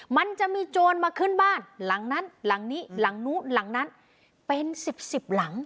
มันจะมีโจรมาขึ้นบ้านหลังนั้นหลังนี้หลังนู้นหลังนั้นเป็นสิบสิบหลัง